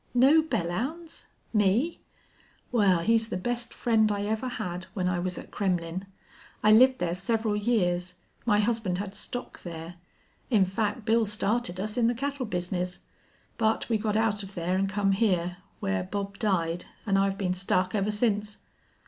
"Know Belllounds? Me? Wal, he's the best friend I ever had when I was at Kremmlin'. I lived there several years. My husband had stock there. In fact, Bill started us in the cattle business. But we got out of there an' come here, where Bob died, an' I've been stuck ever since."